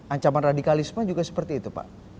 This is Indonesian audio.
ancaman radikalisme juga seperti itu pak